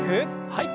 はい。